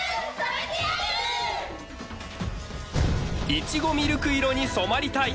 いちごみるく色に染まりたい。